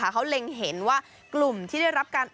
เขาเล็งเห็นว่ากลุ่มที่ได้รับการ